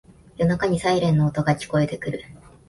夜中にサイレンの音が聞こえてくる